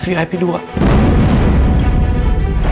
sekarang saya bisa ketemu adi ya